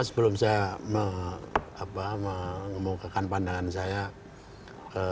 sebelum saya mengemukakan pandangan saya